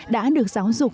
đã được giáo dục